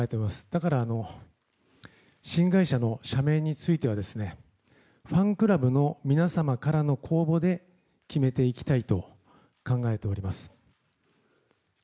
だから、新会社の社名についてはファンクラブの皆様からの公募で決めていきたいと考えております。